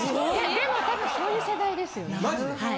でもたぶんそういう世代ですよねはい。